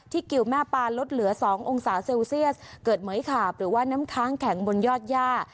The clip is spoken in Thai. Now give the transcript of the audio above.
กิวแม่ปานลดเหลือ๒องศาเซลเซียสเกิดเหมือยขาบหรือว่าน้ำค้างแข็งบนยอดย่า